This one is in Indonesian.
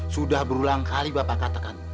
sudah berulang kali bapak katakan